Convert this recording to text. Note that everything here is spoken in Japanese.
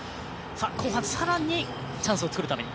後半、チャンスを作るために？